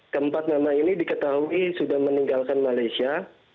keempat nama ini diketahui sudah meninggalkan malaysia